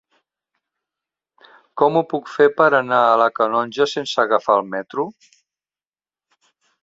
Com ho puc fer per anar a la Canonja sense agafar el metro?